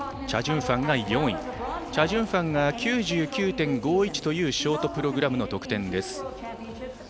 チャ・ジュンファンが９９．５１というショートプログラムの得点です。